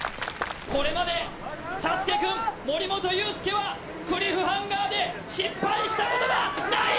これまでサスケくん森本裕介はクリフハンガーで失敗したことがない！